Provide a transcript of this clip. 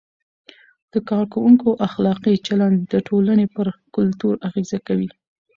د کارکوونکو اخلاقي چلند د ټولنې پر کلتور اغیز کوي.